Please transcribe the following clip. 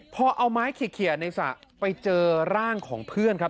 พอเอาไม้เขียในสระไปเจอร่างของเพื่อนครับ